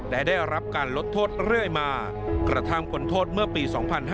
และได้รับการลดโทษเรื่อยมากระทั่งพ้นโทษเมื่อปี๒๕๕๙